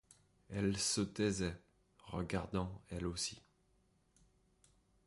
Elle se taisait, regardant elle aussi.